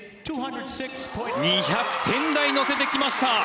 ２００点台乗せてきました。